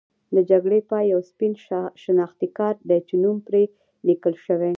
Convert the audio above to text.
د جګړې پای یو سپین شناختي کارت دی چې نوم پرې لیکل شوی.